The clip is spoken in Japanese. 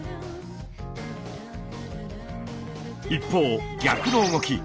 一方逆の動き。